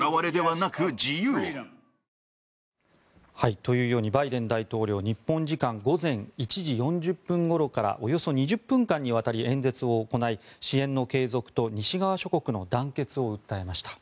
というようにバイデン大統領日本時間午前１時４０分ごろからおよそ２０分間にわたり演説を行い支援の継続と西側諸国の団結を訴えました。